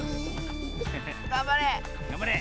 がんばれ！